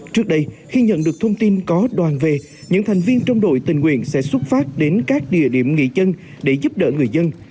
trước đây khi nhận được thông tin có đoàn về những thành viên trong đội tình nguyện sẽ xuất phát đến các địa điểm nghị chân để giúp đỡ người dân